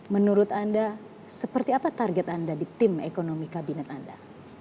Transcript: menurut anda seperti apa target anda di tim ekonomi kabinet anda